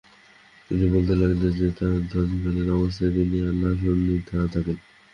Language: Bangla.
তিনি বলতে লাগলেন যে তার ধ্যানকালীন অবস্থায় তিনি আল্লাহ সান্নিধ্যে থাকেন।